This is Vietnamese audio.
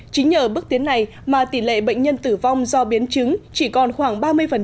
chính nhờ bước tiến này mà tỷ lệ bệnh nhân tử vong do biến chứng chỉ còn khoảng ba mươi